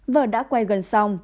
vở đã quay gần xong